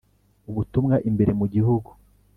ubutumwa imbere mu Gihugu